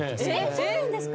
そうなんですか！？